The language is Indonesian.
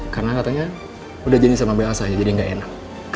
karena katanya udah jenis sama mbak elsa jadi gak enak